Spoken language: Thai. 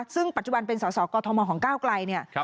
ซึ่งปัจจุบันเป็นสาวกอทมของก้าวกลาย